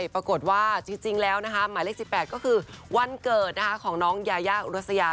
ปรากฏว่าจริงแล้วหมายเลข๑๘ก็คือวันเกิดของน้องยายาอุรัสยา